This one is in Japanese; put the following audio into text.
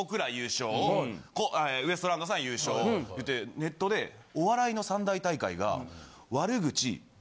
ネットで「お笑いの三大大会が」。